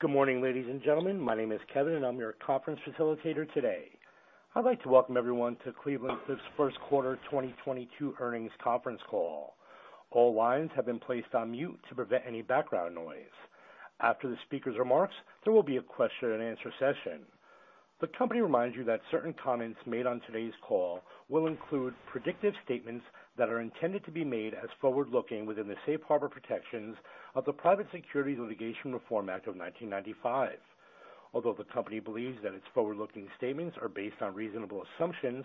Good morning, ladies and gentlemen. My name is Kevin, and I'm your conference facilitator today. I'd like to Welcome everyone to Cleveland-Cliffs first quarter 2022 earnings conference call. All lines have been placed on mute to prevent any background noise. After the speaker's remarks, there will be a question-and-answer session. The company reminds you that certain comments made on today's call will include predictive statements that are intended to be made as forward-looking within the safe harbor protections of the Private Securities Litigation Reform Act of 1995. Although the company believes that its forward-looking statements are based on reasonable assumptions,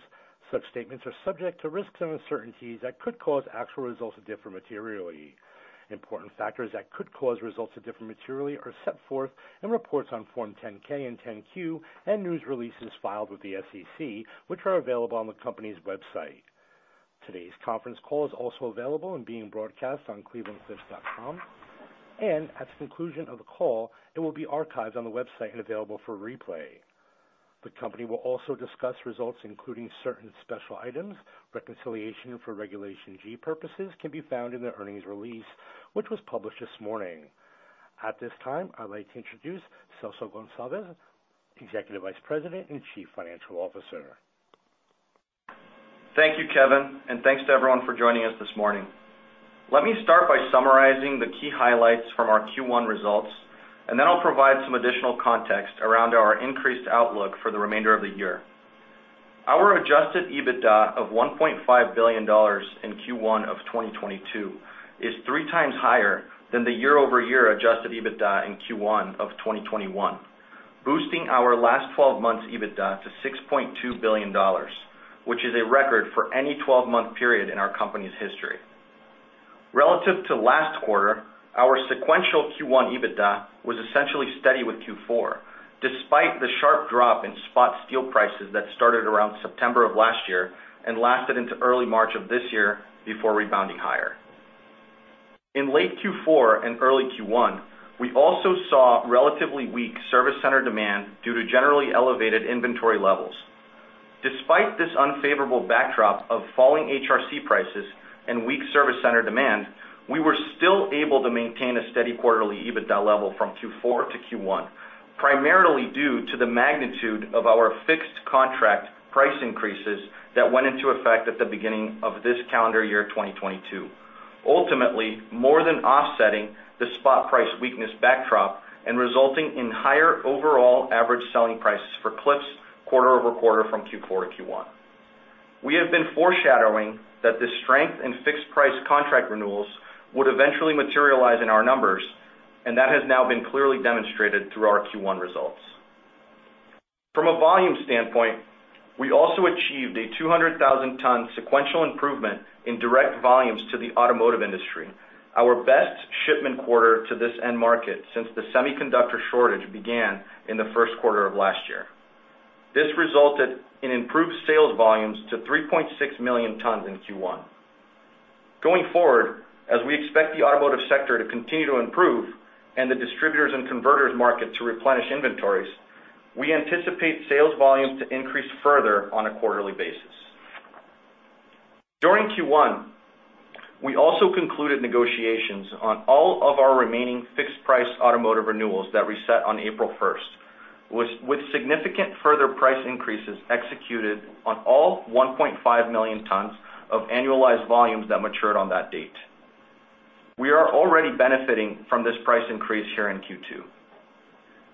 such statements are subject to risks and uncertainties that could cause actual results to differ materially. Important factors that could cause results to differ materially are set forth in reports on Form 10-K and 10-Q and news releases filed with the SEC, which are available on the company's website. Today's conference call is also available and being broadcast on clevelandcliffs.com, and at the conclusion of the call, it will be archived on the website and available for replay. The company will also discuss results, including certain special items. Reconciliation for Regulation G purposes can be found in the earnings release, which was published this morning. At this time, I'd like to introduce Celso Goncalves, Executive Vice President and Chief Financial Officer. Thank you, Kevin, and thanks to everyone for joining us this morning. Let me start by summarizing the key highlights from our Q1 results, and then I'll provide some additional context around our increased outlook for the remainder of the year. Our adjusted EBITDA of $1.5 billion in Q1 of 2022 is three times higher than the year-over-year adjusted EBITDA in Q1 of 2021, boosting our last twelve months EBITDA to $6.2 billion, which is a record for any twelve-month period in our company's history. Relative to last quarter, our sequential Q1 EBITDA was essentially steady with Q4, despite the sharp drop in spot steel prices that started around September of last year and lasted into early March of this year before rebounding higher. In late Q4 and early Q1, we also saw relatively weak service center demand due to generally elevated inventory levels. Despite this unfavorable backdrop of falling HRC prices and weak service center demand, we were still able to maintain a steady quarterly EBITDA level from Q4 to Q1, primarily due to the magnitude of our fixed contract price increases that went into effect at the beginning of this calendar year, 2022, ultimately more than offsetting the spot price weakness backdrop and resulting in higher overall average selling prices for Cliffs quarter over quarter from Q4 to Q1. We have been foreshadowing that the strength in fixed-price contract renewals would eventually materialize in our numbers, and that has now been clearly demonstrated through our Q1 results. From a volume standpoint, we also achieved a 200,000-ton sequential improvement in direct volumes to the automotive industry, our best shipment quarter to this end market since the semiconductor shortage began in the first quarter of last year. This resulted in improved sales volumes to 3.6 million tons in Q1. Going forward, as we expect the automotive sector to continue to improve and the distributors and converters market to replenish inventories, we anticipate sales volumes to increase further on a quarterly basis. During Q1, we also concluded negotiations on all of our remaining fixed-price automotive renewals that reset on April first, with significant further price increases executed on all 1.5 million tons of annualized volumes that matured on that date. We are already benefiting from this price increase here in Q2.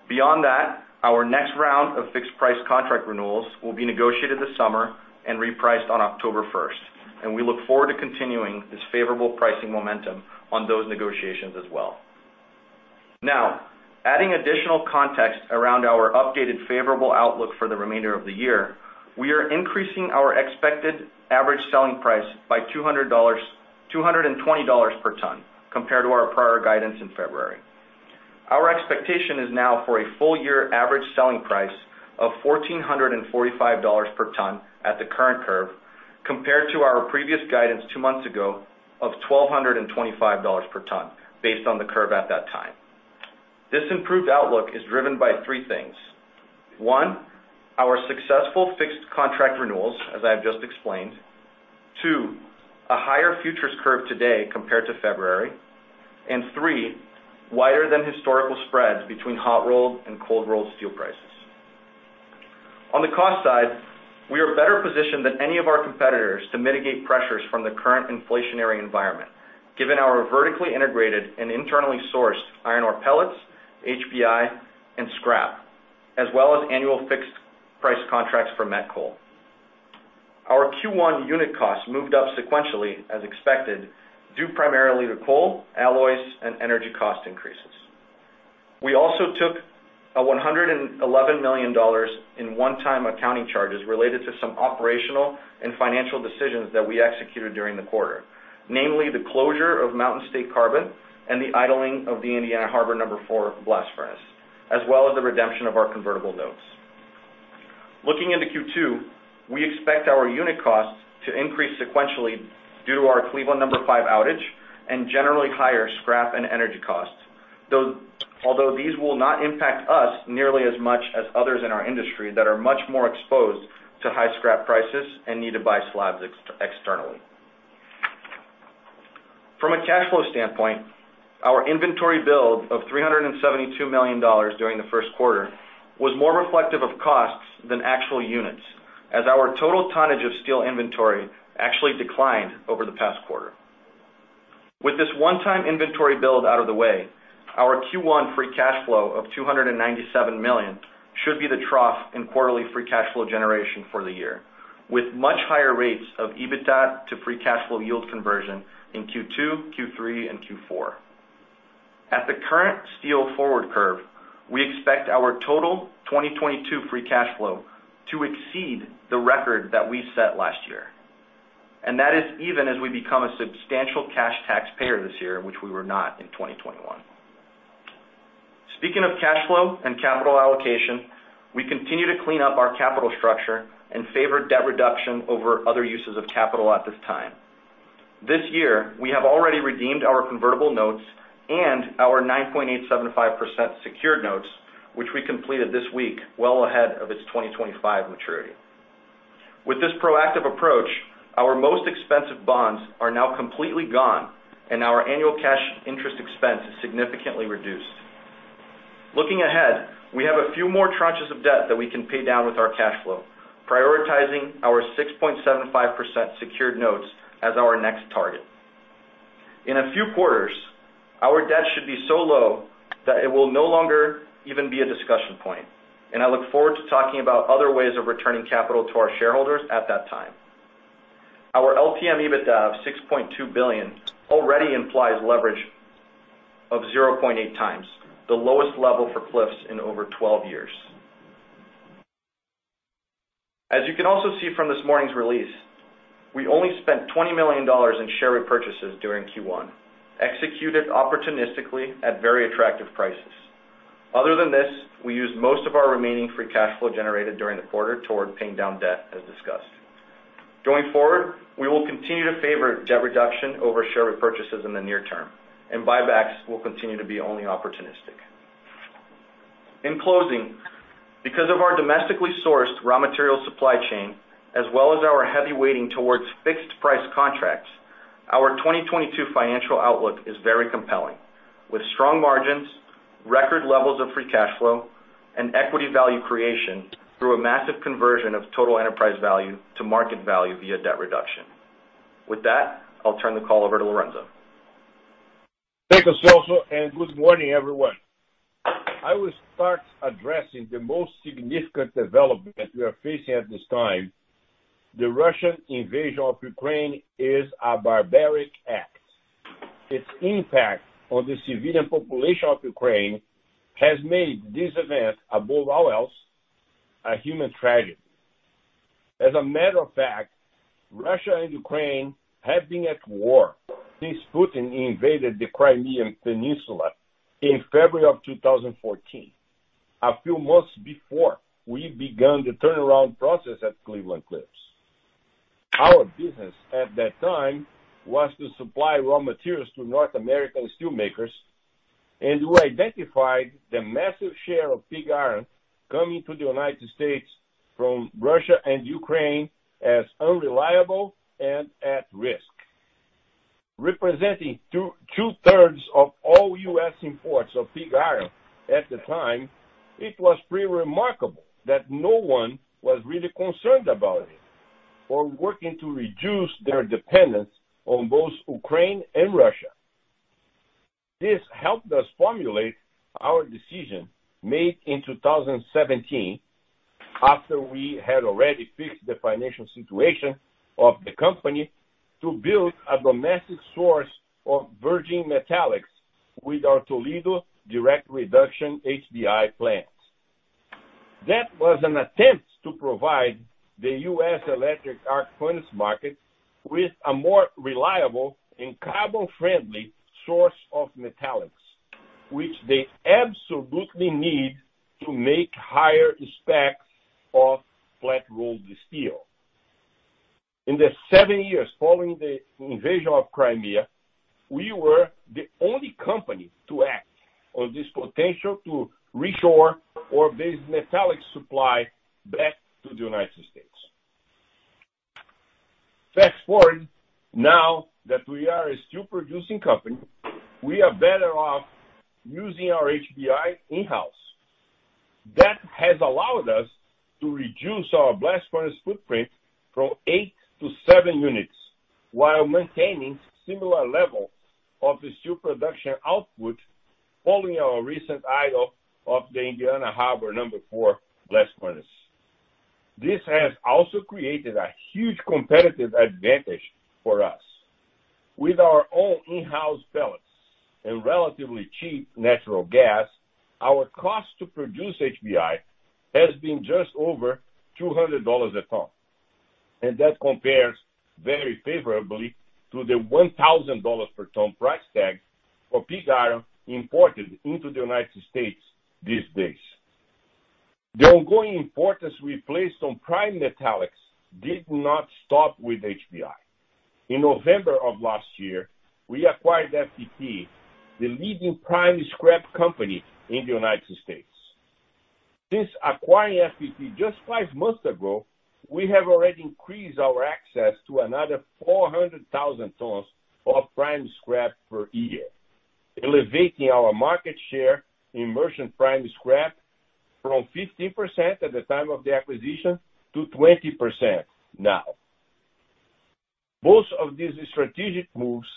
Beyond that, our next round of fixed-price contract renewals will be negotiated this summer and repriced on October first, and we look forward to continuing this favorable pricing momentum on those negotiations as well. Now, adding additional context around our updated favorable outlook for the remainder of the year, we are increasing our expected average selling price by $200-$220 per ton compared to our prior guidance in February. Our expectation is now for a full-year average selling price of $1,445 per ton at the current curve, compared to our previous guidance two months ago of $1,225 per ton based on the curve at that time. This improved outlook is driven by three things. One, our successful fixed contract renewals, as I have just explained. Two, a higher futures curve today compared to February. Three, wider than historical spreads between hot-rolled and cold-rolled steel prices. On the cost side, we are better positioned than any of our competitors to mitigate pressures from the current inflationary environment, given our vertically integrated and internally sourced iron ore pellets, HBI, and scrap, as well as annual fixed-price contracts for met coal. Our Q1 unit costs moved up sequentially as expected, due primarily to coal, alloys, and energy cost increases. We also took a $111 million in one-time accounting charges related to some operational and financial decisions that we executed during the quarter, namely the closure of Mountain State Carbon and the idling of the Indiana Harbor number four blast furnace, as well as the redemption of our convertible notes. Looking into Q2, we expect our unit costs to increase sequentially due to our Cleveland number five outage and generally higher scrap and energy costs. Although these will not impact us nearly as much as others in our industry that are much more exposed to high scrap prices and need to buy slabs externally. From a cash flow standpoint, our inventory build of $372 million during the first quarter was more reflective of costs than actual units, as our total tonnage of steel inventory actually declined over the past quarter. With this one-time inventory build out of the way, our Q1 free cash flow of $297 million should be the trough in quarterly free cash flow generation for the year, with much higher rates of EBITDA to free cash flow yield conversion in Q2, Q3, and Q4. At the current steel forward curve, we expect our total 2022 free cash flow to exceed the record that we set last year. That is even as we become a substantial cash taxpayer this year, which we were not in 2021. Speaking of cash flow and capital allocation, we continue to clean up our capital structure and favor debt reduction over other uses of capital at this time. This year, we have already redeemed our convertible notes and our 9.875% secured notes, which we completed this week, well ahead of its 2025 maturity. With this proactive approach, our most expensive bonds are now completely gone, and our annual cash interest expense is significantly reduced. Looking ahead, we have a few more tranches of debt that we can pay down with our cash flow, prioritizing our 6.75% secured notes as our next target. In a few quarters, our debt should be so low that it will no longer even be a discussion point, and I look forward to talking about other ways of returning capital to our shareholders at that time. Our LTM EBITDA of $6.2 billion already implies leverage of 0.8x, the lowest level for Cliffs in over 12 years. As you can also see from this morning's release, we only spent $20 million in share repurchases during Q1, executed opportunistically at very attractive prices. Other than this, we used most of our remaining free cash flow generated during the quarter toward paying down debt, as discussed. Going forward, we will continue to favor debt reduction over share repurchases in the near term, and buybacks will continue to be only opportunistic. In closing, because of our domestically sourced raw material supply chain, as well as our heavy weighting towards fixed price contracts, our 2022 financial outlook is very compelling with strong margins, record levels of free cash flow, and equity value creation through a massive conversion of total enterprise value to market value via debt reduction. With that, I'll turn the call over to Lourenco. Thank you, Celso, and good morning, everyone. I will start addressing the most significant development we are facing at this time. The Russian invasion of Ukraine is a barbaric act. Its impact on the civilian population of Ukraine has made this event, above all else, a human tragedy. As a matter of fact, Russia and Ukraine have been at war since Putin invaded the Crimean Peninsula in February 2014, a few months before we began the turnaround process at Cleveland-Cliffs. Our business at that time was to supply raw materials to North American steel makers, and we identified the massive share of pig iron coming to the United States from Russia and Ukraine as unreliable and at risk. Representing two-thirds of all U.S. imports of pig iron at the time, it was pretty remarkable that no one was really concerned about it or working to reduce their dependence on both Ukraine and Russia. This helped us formulate our decision made in 2017, after we had already fixed the financial situation of the company, to build a domestic source of virgin metallics with our Toledo direct reduction HBI plant. That was an attempt to provide the U.S. electric arc furnace market with a more reliable and carbon friendly source of metallics, which they absolutely need to make higher specs of flat rolled steel. In the 7 years following the invasion of Crimea, we were the only company to act on this potential to reshore our base metallic supply back to the United States. Fast forward, now that we are a steel producing company, we are better off using our HBI in-house. That has allowed us to reduce our blast furnace footprint from 8 to 7 units while maintaining similar level of the steel production output following our recent idle of the Indiana Harbor number 4 blast furnace. This has also created a huge competitive advantage for us. With our own in-house pellets and relatively cheap natural gas, our cost to produce HBI has been just over $200 a ton, and that compares very favorably to the $1,000 per ton price tag for pig iron imported into the United States these days. The ongoing importance we placed on prime metallics did not stop with HBI. In November of last year, we acquired FPT, the leading prime scrap company in the United States. Since acquiring FPT just five months ago, we have already increased our access to another 400,000 tons of prime scrap per year, elevating our market share in merchant prime scrap from 15% at the time of the acquisition to 20% now. Both of these strategic moves,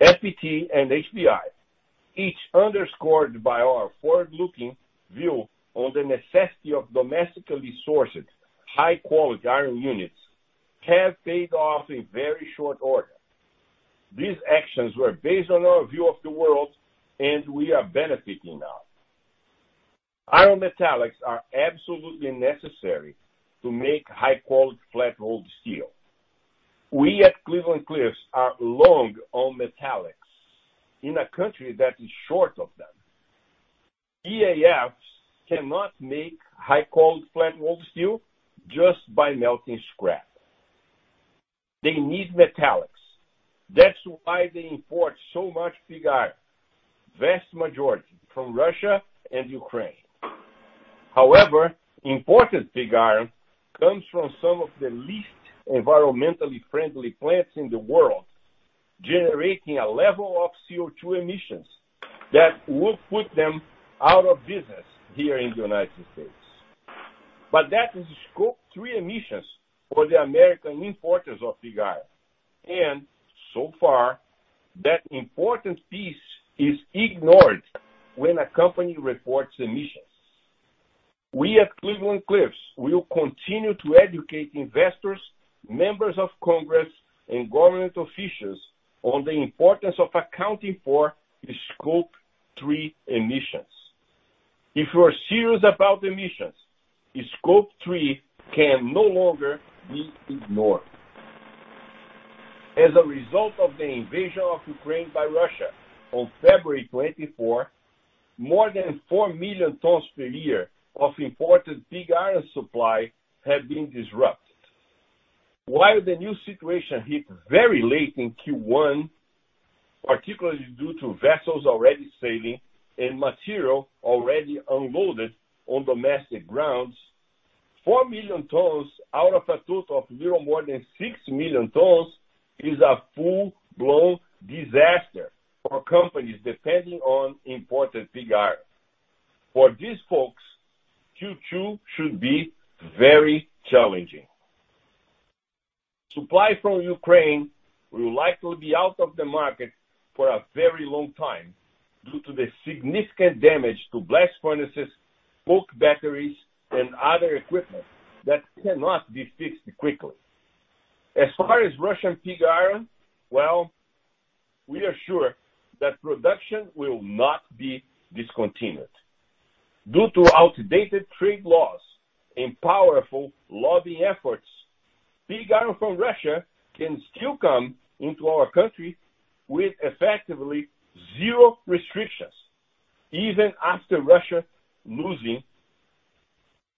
FPT and HBI, each underscored by our forward-looking view on the necessity of domestically sourced high-quality iron units, have paid off in very short order. These actions were based on our view of the world, and we are benefiting now. Iron metallics are absolutely necessary to make high-quality flat-rolled steel. We at Cleveland-Cliffs are long on metallics in a country that is short of them. EAFs cannot make high-quality flat-rolled steel just by melting scrap. They need metallics. That's why they import so much pig iron, vast majority from Russia and Ukraine. However, imported pig iron comes from some of the least environmentally friendly plants in the world, generating a level of CO₂ emissions that would put them out of business here in the United States. That is Scope 3 emissions for the American importers of pig iron, and so far, that important piece is ignored when a company reports emissions. We at Cleveland-Cliffs will continue to educate investors, members of Congress, and government officials on the importance of accounting for the Scope 3 emissions. If you are serious about emissions, the Scope 3 can no longer be ignored. As a result of the invasion of Ukraine by Russia on February twenty-fourth, more than 4 million tons per year of imported pig iron supply have been disrupted. While the new situation hit very late in Q1, particularly due to vessels already sailing and material already unloaded on domestic grounds, 4 million tons out of a total of little more than 6 million tons is a full-blown disaster for companies depending on imported pig iron. For these folks, Q2 should be very challenging. Supply from Ukraine will likely be out of the market for a very long time due to the significant damage to blast furnaces, coke batteries, and other equipment that cannot be fixed quickly. As far as Russian pig iron, well, we are sure that production will not be discontinued. Due to outdated trade laws and powerful lobbying efforts, pig iron from Russia can still come into our country with effectively zero restrictions, even after Russia losing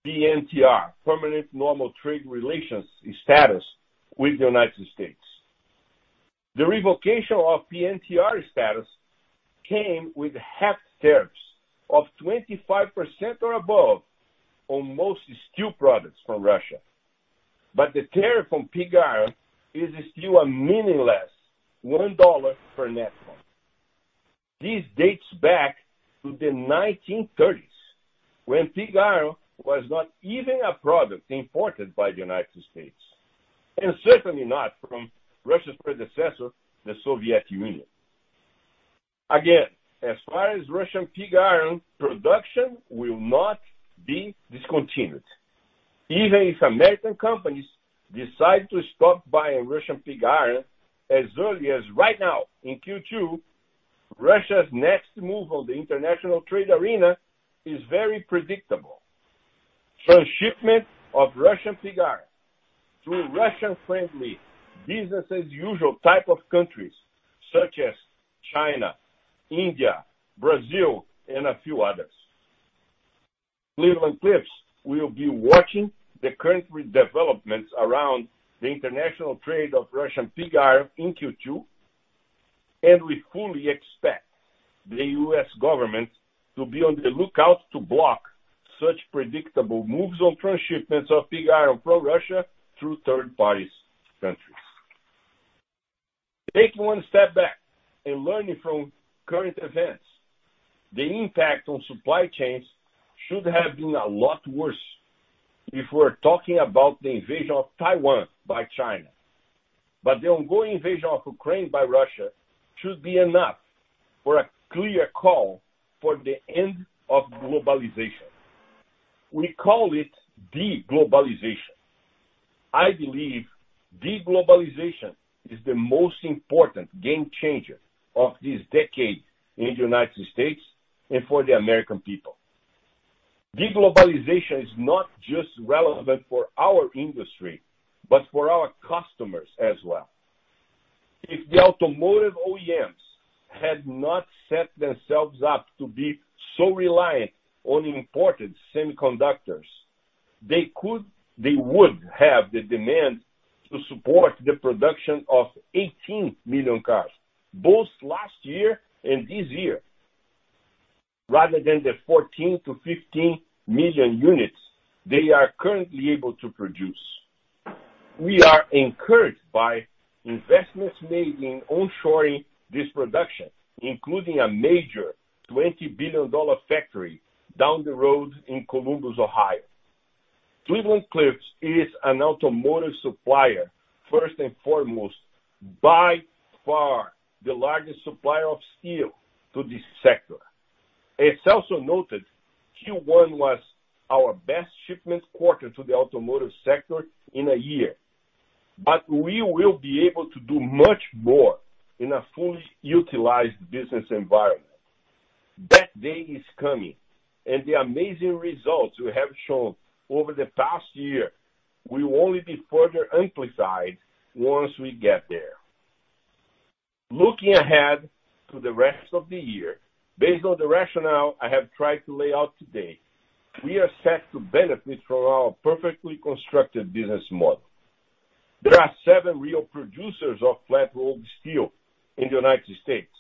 PNTR, Permanent Normal Trade Relations status with the United States. The revocation of PNTR status came with half tariffs of 25% or above on most steel products from Russia. The tariff on pig iron is still a meaningless $1 per net ton. This dates back to the 1930s, when pig iron was not even a product imported by the United States, and certainly not from Russia's predecessor, the Soviet Union. Again, as far as Russian pig iron, production will not be discontinued. Even if American companies decide to stop buying Russian pig iron as early as right now in Q2, Russia's next move on the international trade arena is very predictable, transshipment of Russian pig iron through Russian-friendly business as usual type of countries such as China, India, Brazil, and a few others. Cleveland-Cliffs will be watching the current developments around the international trade of Russian pig iron in Q2, and we fully expect the U.S. government to be on the lookout to block such predictable moves on transshipments of pig iron from Russia through third parties' countries. Taking one step back and learning from current events, the impact on supply chains should have been a lot worse if we're talking about the invasion of Taiwan by China. The ongoing invasion of Ukraine by Russia should be enough for a clear call for the end of globalization. We call it de-globalization. I believe de-globalization is the most important game changer of this decade in the United States and for the American people. De-globalization is not just relevant for our industry, but for our customers as well. If the automotive OEMs had not set themselves up to be so reliant on imported semiconductors. They could, they would have the demand to support the production of 18 million cars, both last year and this year, rather than the 14-15 million units they are currently able to produce. We are encouraged by investments made in onshoring this production, including a major $20 billion factory down the road in Columbus, Ohio. Cleveland-Cliffs is an automotive supplier, first and foremost, by far the largest supplier of steel to this sector. It's also noted Q1 was our best shipment quarter to the automotive sector in a year, but we will be able to do much more in a fully utilized business environment. That day is coming, and the amazing results we have shown over the past year will only be further amplified once we get there. Looking ahead to the rest of the year, based on the rationale I have tried to lay out today, we are set to benefit from our perfectly constructed business model. There are seven real producers of flat rolled steel in the United States,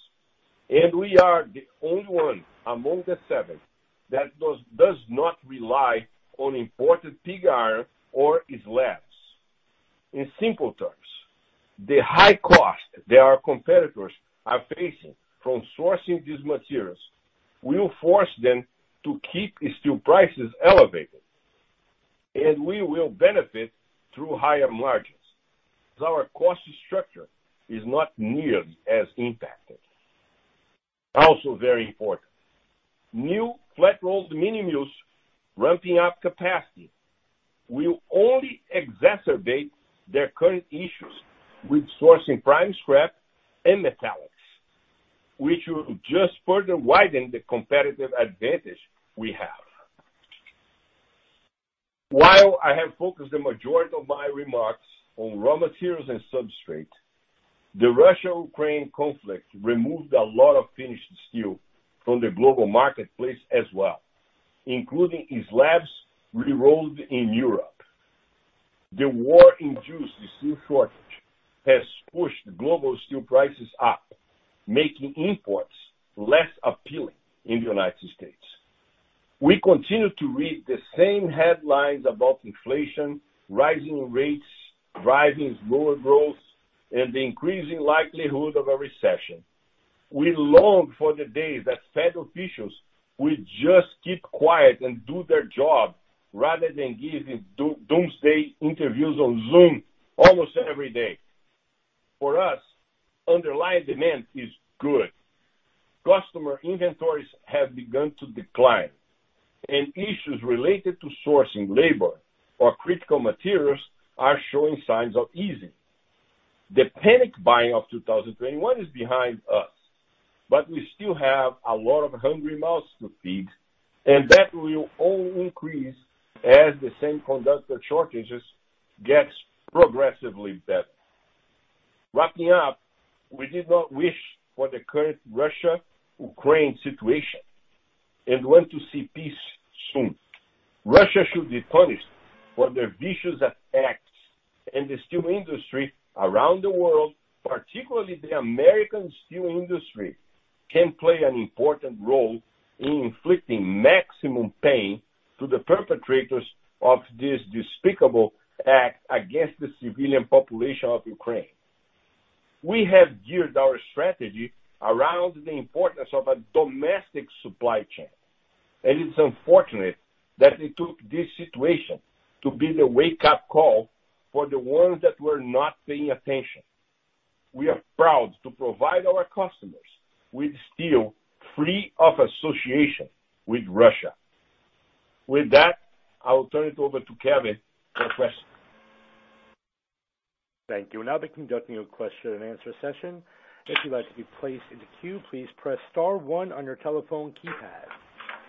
and we are the only one among the seven that does not rely on imported pig iron or slabs. In simple terms, the high cost that our competitors are facing from sourcing these materials will force them to keep steel prices elevated, and we will benefit through higher margins as our cost structure is not nearly as impacted. Also very important, new flat rolled mini mills ramping up capacity will only exacerbate their current issues with sourcing prime scrap and metallics, which will just further widen the competitive advantage we have. While I have focused the majority of my remarks on raw materials and substrate, the Russia-Ukraine conflict removed a lot of finished steel from the global marketplace as well, including slabs re-rolled in Europe. The war induced steel shortage has pushed global steel prices up, making imports less appealing in the United States. We continue to read the same headlines about inflation, rising rates, rising global growth, and the increasing likelihood of a recession. We long for the days that federal officials will just keep quiet and do their job rather than giving doomsday interviews on Zoom almost every day. For us, underlying demand is good. Customer inventories have begun to decline, and issues related to sourcing labor or critical materials are showing signs of easing. The panic buying of 2021 is behind us, but we still have a lot of hungry mouths to feed, and that will all increase as the semiconductor shortages get progressively better. Wrapping up, we did not wish for the current Russia-Ukraine situation and want to see peace soon. Russia should be punished for their vicious attacks, and the steel industry around the world, particularly the American steel industry, can play an important role in inflicting maximum pain to the perpetrators of this despicable act against the civilian population of Ukraine. We have geared our strategy around the importance of a domestic supply chain, and it's unfortunate that it took this situation to be the wake-up call for the ones that were not paying attention. We are proud to provide our customers with steel free of association with Russia. With that, I will turn it over to Kevin for questions. Thank you. We'll now be conducting a question-and-answer session. If you'd like to be placed in the queue, please press star one on your telephone keypad.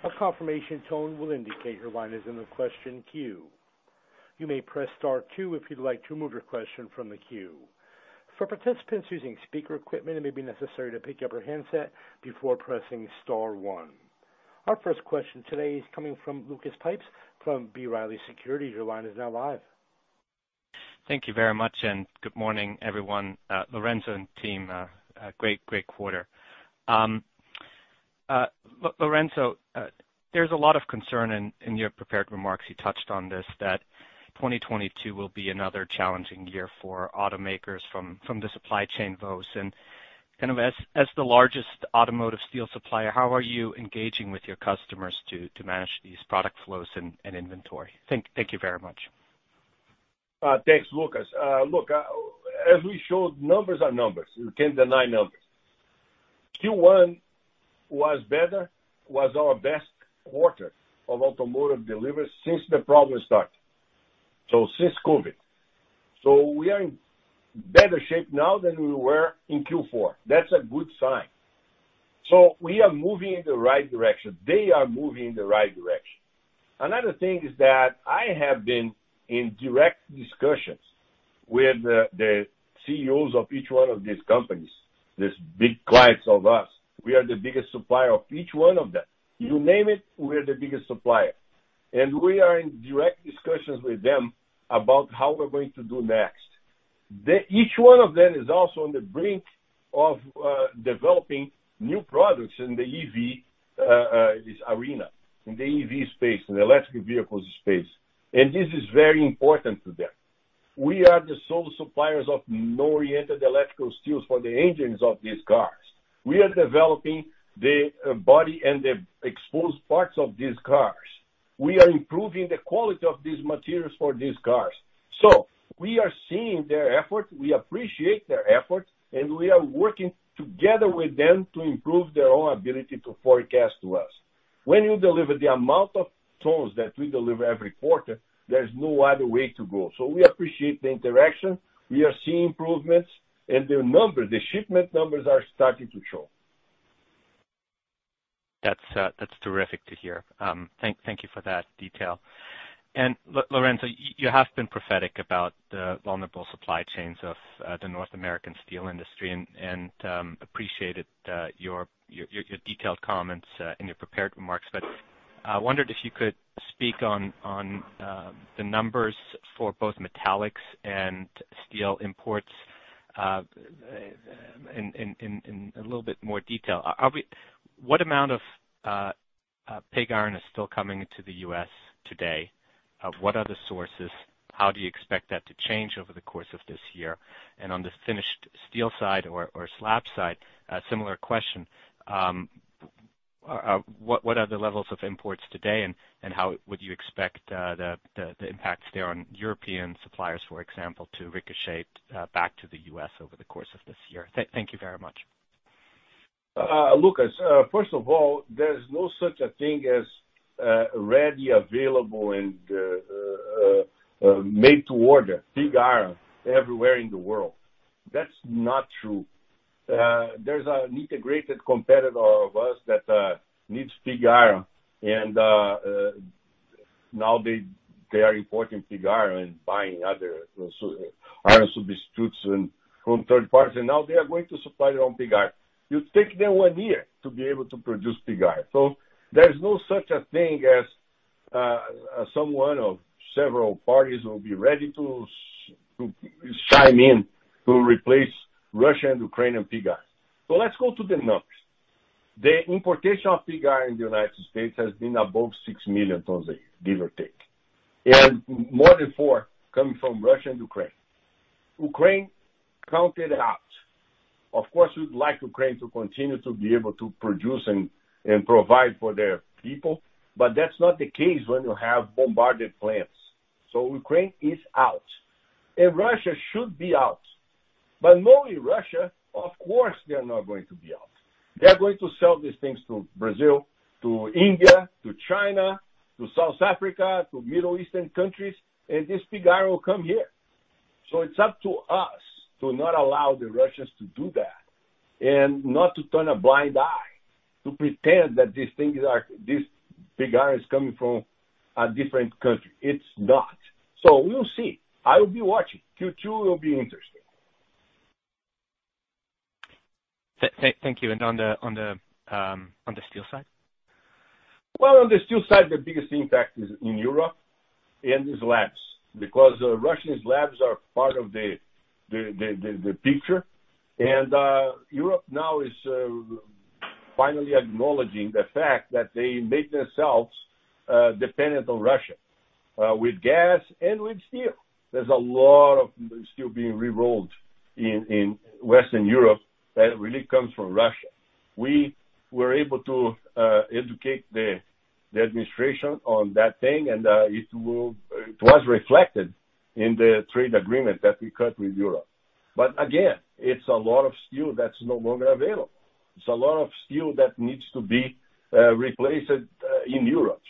A confirmation tone will indicate your line is in the question queue. You may press star two if you'd like to remove your question from the queue. For participants using speaker equipment, it may be necessary to pick up your handset before pressing star one. Our first question today is coming from Lucas Pipes from B. Riley Securities. Your line is now live. Thank you very much, and good morning, everyone, Lourenco and team. Great quarter. Lourenco, there's a lot of concern in your prepared remarks, you touched on this, that 2022 will be another challenging year for automakers from the supply chain woes. Kind of as the largest automotive steel supplier, how are you engaging with your customers to manage these product flows and inventory? Thank you very much. Thanks, Lucas. Look, as we showed, numbers are numbers. You can't deny numbers. Q1 was better, our best quarter of automotive deliveries since the problem started, since COVID. We are in better shape now than we were in Q4. That's a good sign. We are moving in the right direction. They are moving in the right direction. Another thing is that we have the CEOs of each one of these companies, these big clients of us. We are the biggest supplier of each one of them. You name it, we're the biggest supplier. We are in direct discussions with them about how we're going to do next. Each one of them is also on the brink of developing new products in the EV this arena, in the EV space, in the electric vehicles space. This is very important to them. We are the sole suppliers of non-oriented electrical steels for the engines of these cars. We are developing the body and the exposed parts of these cars. We are improving the quality of these materials for these cars. We are seeing their effort, we appreciate their effort, and we are working together with them to improve their own ability to forecast to us. When you deliver the amount of tons that we deliver every quarter, there's no other way to go. We appreciate the interaction. We are seeing improvements and their numbers, the shipment numbers are starting to show. That's terrific to hear. Thank you for that detail. Lourenco, you have been prophetic about the vulnerable supply chains of the North American steel industry and appreciated your detailed comments in your prepared remarks. Wondered if you could speak on the numbers for both metallics and steel imports in a little bit more detail. What amount of pig iron is still coming into the U.S. today? What are the sources? How do you expect that to change over the course of this year? On the finished steel side or slab side, a similar question, what are the levels of imports today and how would you expect the impacts there on European suppliers, for example, to ricochet back to the U.S. over the course of this year? Thank you very much. Lucas, first of all, there's no such a thing as readily available and made to order pig iron everywhere in the world. That's not true. There's an integrated competitor of us that needs pig iron and now they are importing pig iron and buying other iron substitutes from third parties, and now they are going to supply their own pig iron. It'll take them one year to be able to produce pig iron. There is no such a thing as someone or several parties will be ready to to chime in to replace Russian and Ukrainian pig iron. Let's go to the numbers. The importation of pig iron in the United States has been above 6 million tons a year, give or take, and more than 4 come from Russia and Ukraine. Ukraine, count it out. Of course, we'd like Ukraine to continue to be able to produce and provide for their people, but that's not the case when you have bombarded plants. Ukraine is out, and Russia should be out. Knowing Russia, of course, they are not going to be out. They are going to sell these things to Brazil, to India, to China, to South Africa, to Middle Eastern countries, and this pig iron will come here. It's up to us to not allow the Russians to do that and not to turn a blind eye, to pretend that this pig iron is coming from a different country. It's not. We'll see. I will be watching. Q2 will be interesting. Thank you. On the steel side? Well, on the steel side, the biggest impact is in Europe and the slabs. Because Russian slabs are part of the picture. Europe now is finally acknowledging the fact that they made themselves dependent on Russia with gas and with steel. There's a lot of steel being rerolled in Western Europe that really comes from Russia. We were able to educate the administration on that thing, and it was reflected in the trade agreement that we cut with Europe. Again, it's a lot of steel that's no longer available. It's a lot of steel that needs to be replaced in Europe.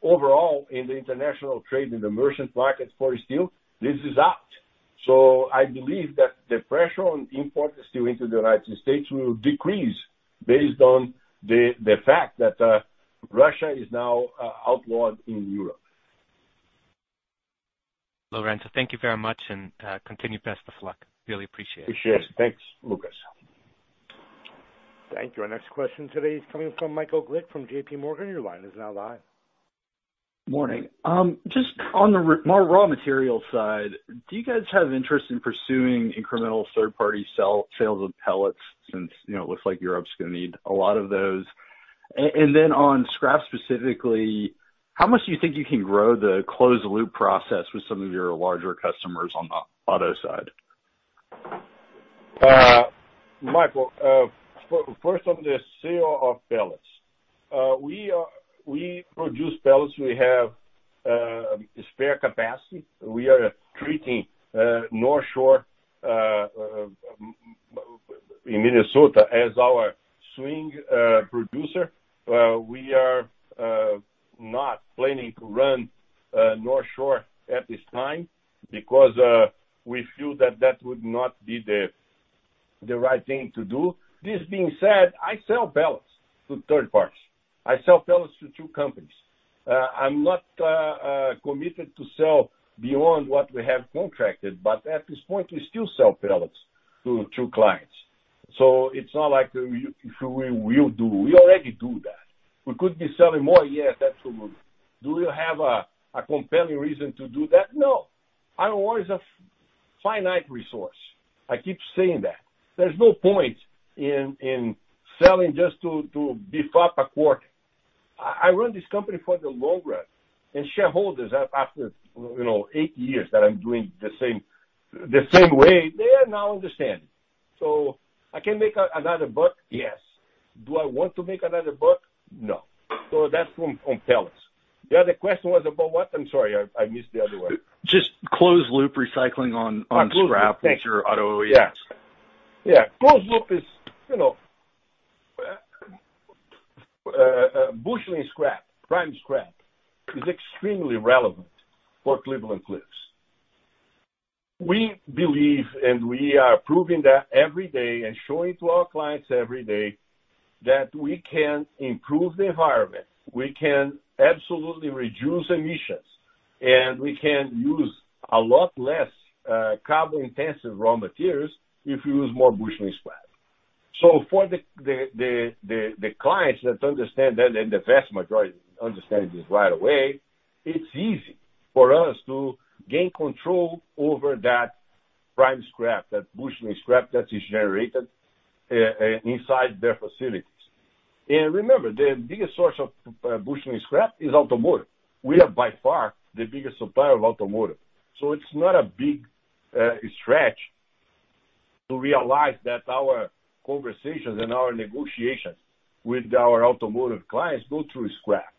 Overall, in the international trade, in the merchant markets for steel, this is out. I believe that the pressure on imported steel into the United States will decrease based on the fact that Russia is now outlawed in Europe. Lourenco, thank you very much, and continued best of luck. I really appreciate it. Appreciate it. Thanks, Lucas. Thank you. Our next question today is coming from Michael Glick from J.P. Morgan. Your line is now live. Morning. Just on the raw material side, do you guys have interest in pursuing incremental third-party sales of pellets since, you know, it looks like Europe's gonna need a lot of those? On scrap specifically, how much do you think you can grow the closed loop process with some of your larger customers on the auto side? Michael, first on the sale of pellets. We produce pellets. We have spare capacity. We are treating North Shore in Minnesota as our swing producer. We are not planning to run North Shore at this time because we feel that would not be the right thing to do. This being said, I sell pellets to third parties. I sell pellets to two companies. I'm not committed to sell beyond what we have contracted, but at this point, we still sell pellets to clients. So it's not like we will do. We already do that. We could be selling more, yes, absolutely. Do you have a compelling reason to do that? No. Iron ore is a finite resource. I keep saying that. There's no point in selling just to beef up a quarter. I run this company for the long run, and shareholders, after you know eight years that I'm doing the same way, they now understand. I can make another buck? Yes. Do I want to make another buck? No. That's from pellets. The other question was about what? I'm sorry, I missed the other one. Just closed loop recycling on scrap. On scrap. Thank you. Which are auto OE. Yeah. Closed loop is, you know, busheling scrap, prime scrap is extremely relevant for Cleveland-Cliffs. We believe, and we are proving that every day and showing to our clients every day, that we can improve the environment. We can absolutely reduce emissions, and we can use a lot less carbon-intensive raw materials if we use more busheling scrap. So for the clients that understand that, and the vast majority understand this right away, it's easy for us to gain control over that prime scrap, that busheling scrap that is generated inside their facilities. Remember, the biggest source of busheling scrap is automotive. We are by far the biggest supplier of automotive, so it's not a big stretch to realize that our conversations and our negotiations with our automotive clients go through scrap.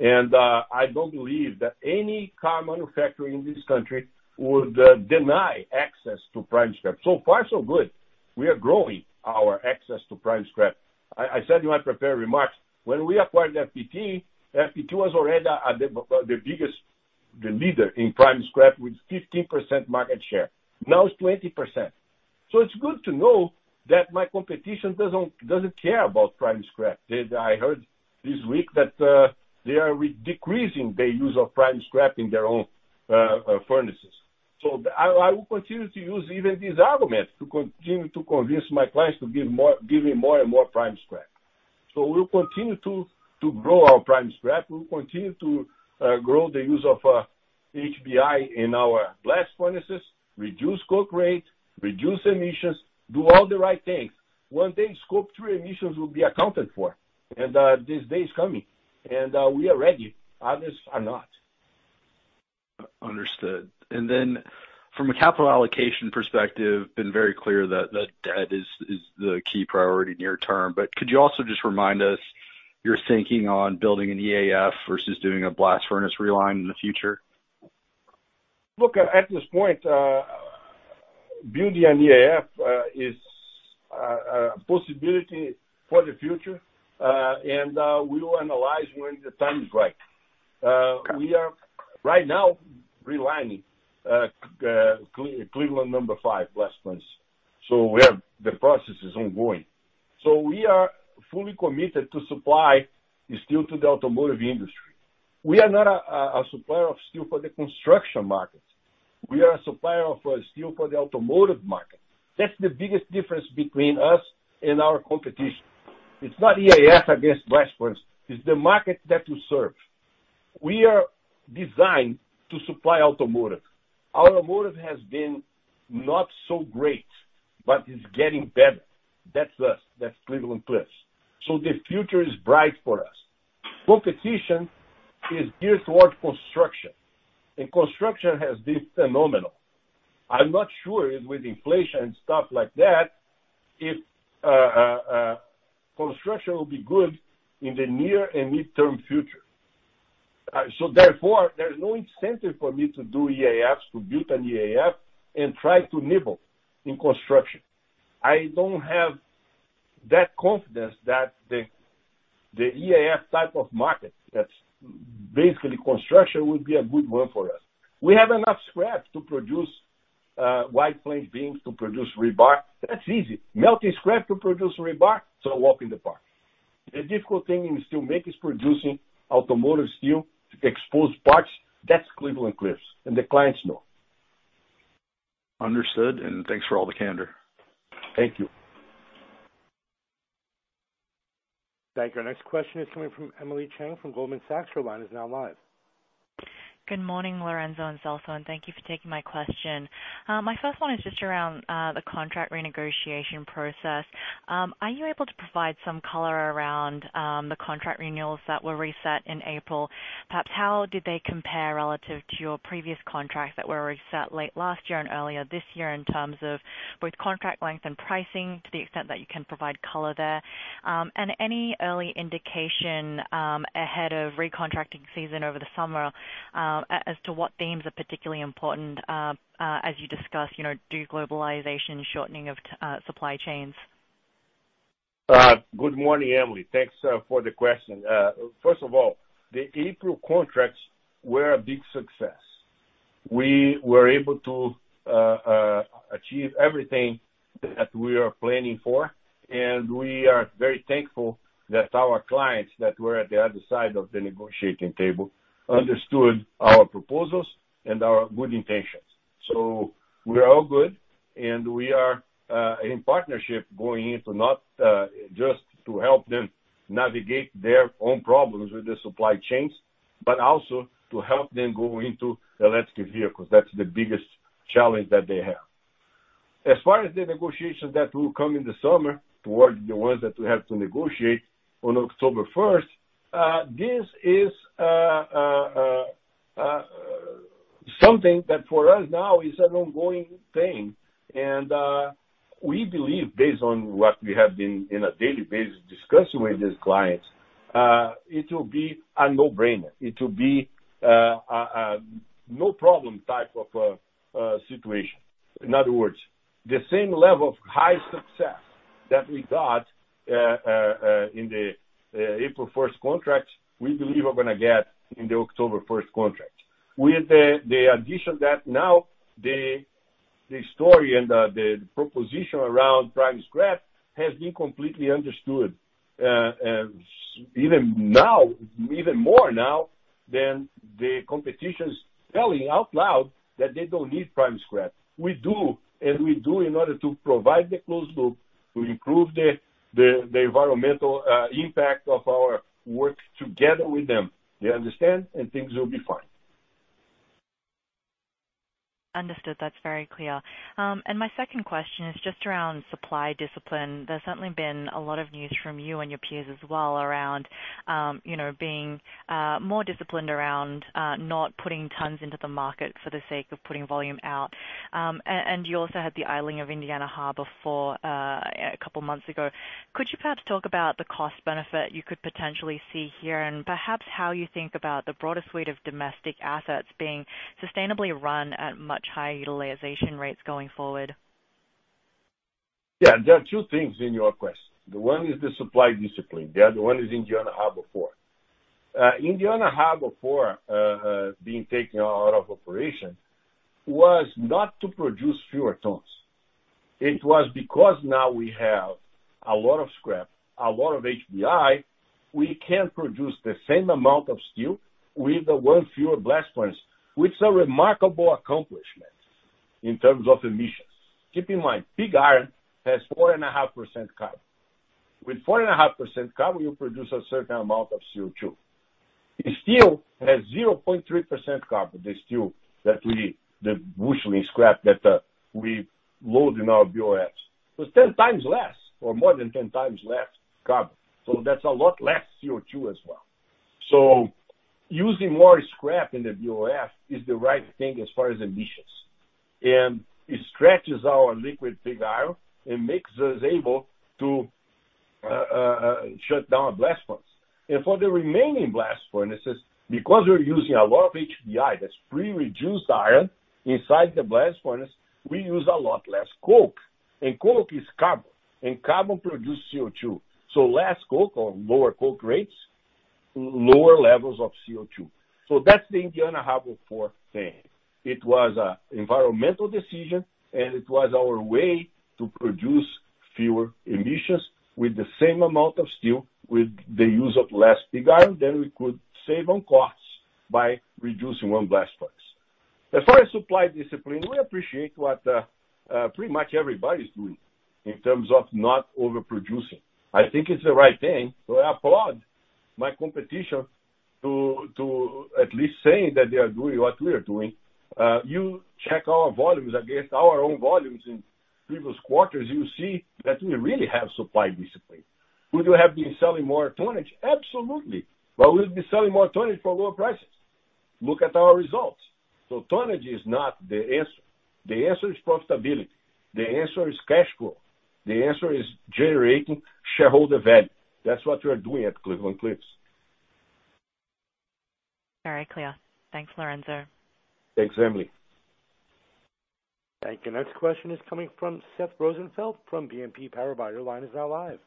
I don't believe that any car manufacturer in this country would deny access to prime scrap. Far so good. We are growing our access to prime scrap. I said in my prepared remarks, when we acquired FPT was already the biggest, the leader in prime scrap with 15% market share. Now it's 20%. It's good to know that my competition doesn't care about prime scrap. I heard this week that they are reducing the use of prime scrap in their own furnaces. I will continue to use even these arguments to continue to convince my clients to give more, give me more and more prime scrap. We'll continue to grow our prime scrap. We'll continue to grow the use of HBI in our blast furnaces, reduce coke rate, reduce emissions, do all the right things. One thing, Scope 3 emissions will be accounted for, and this day is coming, and we are ready. Others are not. Understood. From a capital allocation perspective, been very clear that the debt is the key priority near term. Could you also just remind us your thinking on building an EAF versus doing a blast furnace realign in the future? Look, at this point, building an EAF is a possibility for the future, and we will analyze when the time is right. Okay. We are right now realigning Cleveland number 5 blast furnace. The process is ongoing. We are fully committed to supply steel to the automotive industry. We are not a supplier of steel for the construction market. We are a supplier of steel for the automotive market. That's the biggest difference between us and our competition. It's not EAF against blast furnace, it's the market that we serve. We are designed to supply automotive. Automotive has been not so great, but it's getting better. That's us. That's Cleveland-Cliffs. The future is bright for us. Competition is geared towards construction, and construction has been phenomenal. I'm not sure if with inflation and stuff like that, construction will be good in the near and midterm future. Therefore, there's no incentive for me to do EAFs, to build an EAF, and try to nibble in construction. I don't have that confidence that the EAF type of market that's basically construction would be a good one for us. We have enough scrap to produce wide flange beams to produce rebar. That's easy. Melting scrap to produce rebar? It's a walk in the park. The difficult thing in steelmaking is producing automotive steel to exposed parts. That's Cleveland-Cliffs, and the clients know. Understood, and thanks for all the candor. Thank you. Thank you. Our next question is coming from Emily Chieng from Goldman Sachs. Your line is now live. Good morning, Lourenco and Celso, and thank you for taking my question. My first one is just around the contract renegotiation process. Are you able to provide some color around the contract renewals that were reset in April? Perhaps how did they compare relative to your previous contracts that were reset late last year and earlier this year in terms of both contract length and pricing, to the extent that you can provide color there? And any early indication ahead of recontracting season over the summer as to what themes are particularly important as you discuss, you know, de-globalization, shortening of supply chains? Good morning, Emily. Thanks for the question. First of all, the April contracts were a big success. We were able to achieve everything that we are planning for, and we are very thankful that our clients that were at the other side of the negotiating table understood our proposals and our good intentions. We are all good, and we are in partnership going into not just to help them navigate their own problems with the supply chains, but also to help them go into the electric vehicles. That's the biggest challenge that they have. As far as the negotiations that will come in the summer, towards the ones that we have to negotiate on October first, this is something that for us now is an ongoing thing. We believe based on what we have been on a daily basis discussing with these clients, it will be a no-brainer. It will be no problem type of situation. In other words, the same level of high success that we got in the April first contract, we believe are gonna get in the October first contract. With the addition that now the story and the proposition around prime scrap has been completely understood, even now, even more now than the competition's selling out loud that they don't need prime scrap. We do, and we do in order to provide the closed loop to improve the environmental impact of our work together with them. They understand, and things will be fine. Understood. That's very clear. My second question is just around supply discipline. There's certainly been a lot of news from you and your peers as well around you know being more disciplined around not putting tons into the market for the sake of putting volume out. You also had the idling of Indiana Harbor a couple months ago. Could you perhaps talk about the cost benefit you could potentially see here, and perhaps how you think about the broader suite of domestic assets being sustainably run at much higher utilization rates going forward? Yeah. There are two things in your question. The one is the supply discipline, the other one is Indiana Harbor Four. Indiana Harbor Four being taken out of operation was not to produce fewer tons. It was because now we have a lot of scrap, a lot of HBI, we can produce the same amount of steel with one fewer blast furnace, which is a remarkable accomplishment in terms of emissions. Keep in mind, pig iron has 4.5% carbon. With 4.5% carbon, you produce a certain amount of CO₂. The steel has 0.3% carbon, the steel that we load in our BOFs, mostly scrap. It's 10x less or more than 10x less carbon. So that's a lot less CO₂ as well. Using more scrap in the BOF is the right thing as far as emissions, and it stretches our liquid pig iron and makes us able to shut down blast furnace. For the remaining blast furnaces, because we're using a lot of HBI that's pre-reduced iron inside the blast furnace, we use a lot less coke, and coke is carbon, and carbon produce CO₂. Less coke or lower coke rates, lower levels of CO₂. That's the Indiana Harbor Four thing. It was an environmental decision, and it was our way to produce fewer emissions with the same amount of steel with the use of less pig iron than we could save on costs by reducing one blast furnace. As far as supply discipline, we appreciate what pretty much everybody's doing in terms of not overproducing. I think it's the right thing, so I applaud my competition to at least saying that they are doing what we are doing. You check our volumes against our own volumes in previous quarters, you'll see that we really have supply discipline. Could we have been selling more tonnage? Absolutely. But we'll be selling more tonnage for lower prices. Look at our results. Tonnage is not the answer. The answer is profitability. The answer is cash flow. The answer is generating shareholder value. That's what we're doing at Cleveland-Cliffs. Very clear. Thanks, Lourenco. Thanks, Emily. Thank you. Next question is coming from Seth Rosenfeld from BNP Paribas. Your line is now live.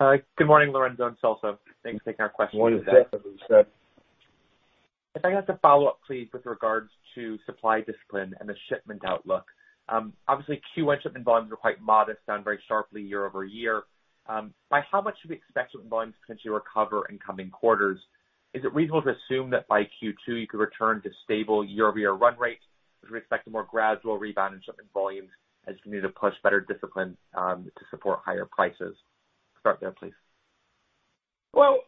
Hi. Good morning, Lourenco and Celso. Thanks for taking our questions today. Good morning, Seth. How are you, Seth? If I can have a follow-up please with regards to supply discipline and the shipment outlook. Obviously Q1 shipment volumes were quite modest, down very sharply year-over-year. By how much should we expect shipment volumes to potentially recover in coming quarters? Is it reasonable to assume that by Q2 you could return to stable year-over-year run rate with respect to more gradual rebound in shipment volumes as you need to push better discipline to support higher prices? Start there, please. Well,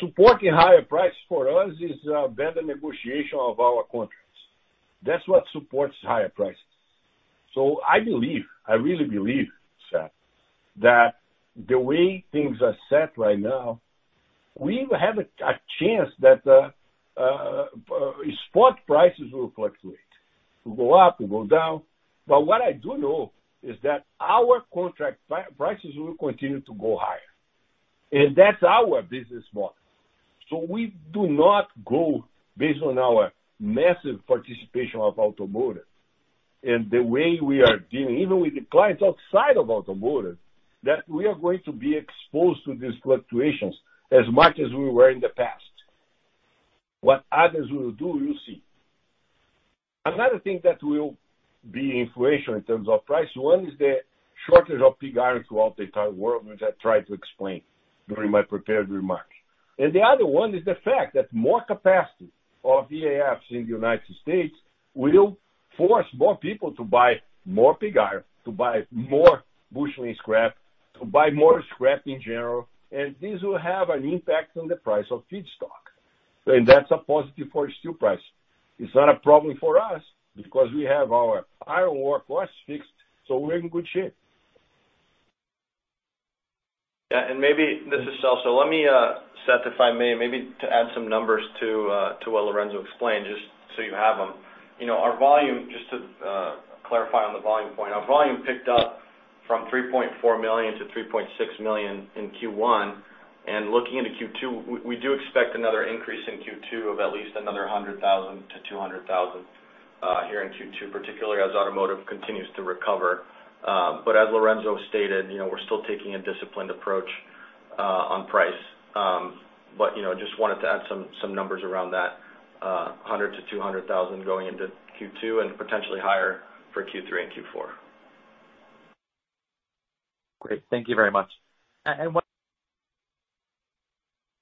supporting higher prices for us is better negotiation of our contracts. That's what supports higher prices. I believe, I really believe, Seth, that the way things are set right now, we have a chance that spot prices will fluctuate, will go up, will go down. What I do know is that our contract prices will continue to go higher. That's our business model. We do not go based on our massive participation of automotive and the way we are dealing even with the clients outside of automotive, that we are going to be exposed to these fluctuations as much as we were in the past. What others will do, we'll see. Another thing that will be inflation in terms of price, one is the shortage of pig iron throughout the entire world, which I tried to explain during my prepared remarks. The other one is the fact that more capacity of EAFs in the United States will force more people to buy more pig iron, to buy more busheling scrap, to buy more scrap in general, and this will have an impact on the price of feedstock. That's a positive for steel price. It's not a problem for us because we have our iron ore price fixed, so we're in good shape. Yeah. Maybe this is Celso. Let me, Seth, if I may, maybe to add some numbers to what Lourenco explained, just so you have them. You know, our volume, just to clarify on the volume point, our volume picked up from 3.4 million to 3.6 million in Q1. Looking into Q2, we do expect another increase in Q2 of at least another 100,000-200,000 here in Q2, particularly as automotive continues to recover. As Lourenco stated, you know, we're still taking a disciplined approach on price. You know, just wanted to add some numbers around that, 100,000-200,000 going into Q2 and potentially higher for Q3 and Q4. Great. Thank you very much. What